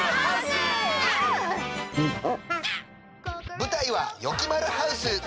ぶたいは「よきまるハウス」。